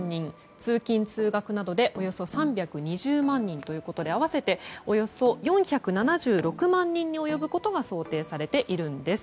通勤・通学などでおよそ３２０万人ということで合わせておよそ４７６万人に及ぶことが想定されているんです。